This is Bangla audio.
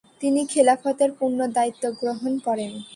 তিনি খেলাফতের পূর্ণ দায়িত্বগ্রহণ করেন।